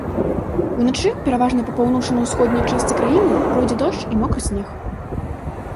Уначы пераважна па паўночна-ўсходняй частцы краіны пройдзе дождж і мокры снег.